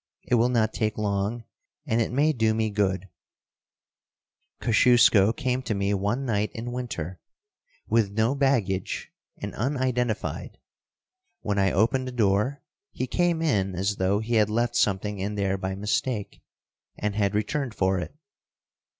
It will not take long, and it may do me good: Kosciusko came to me one night in winter, with no baggage and unidentified. When I opened the door he came in as though he had left something in there by mistake and had returned for it.